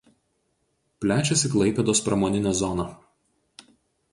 Plečiasi Klaipėdos pramoninė zona.